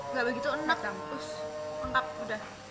nggak begitu enak